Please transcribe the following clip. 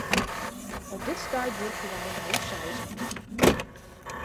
Op dit stuit wurkje wy mei ús seizen.